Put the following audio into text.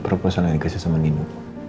proposal yang dikasih sama nino